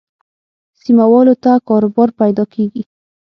سیمه والو ته کاروبار پیدا کېږي.